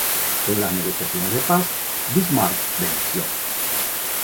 En las negociaciones de paz, Bismarck venció.